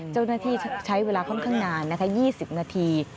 เจ้าหน้าที่ใช้เวลาค่อนข้างนานนะคะ๒๐นาที